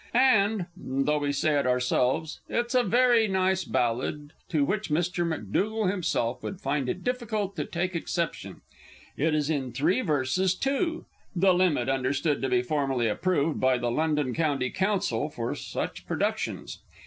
And though we say it ourselves it is a very nice ballad, to which Mr. McDougall himself would find it difficult to take exception. It is in three verses, too the limit understood to be formally approved by the London County Council for such productions.